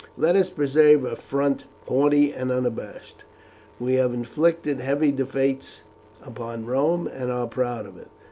Let us preserve a front haughty and unabashed. We have inflicted heavy defeats upon Rome, and are proud of it.